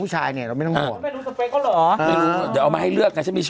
ให้มีโหมดหาเขาสแกนดี